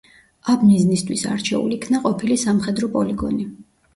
ამ მიზნისთვის არჩეულ იქნა ყოფილი სამხედრო პოლიგონი.